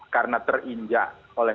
karena terinjak oleh